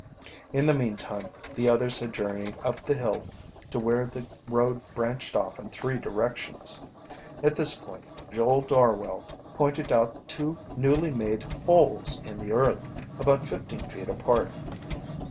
In the meantime the others had journeyed up the hill to where the road branched off in three directions. At this point Joel Darwell pointed out two newly made holes in the earth, about fifteen feet apart.